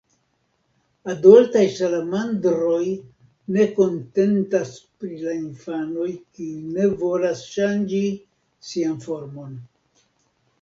Adoltaj salamandroj ne kontentas pri la infanoj, kiuj ne volas ŝanĝi sian formon.